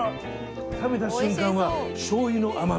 食べた瞬間はしょうゆの甘み。